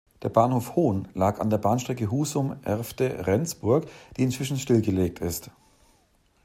Der Bahnhof "Hohn" lag an der Bahnstrecke Husum–Erfde–Rendsburg, die inzwischen stillgelegt ist.